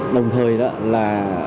đồng thời đó là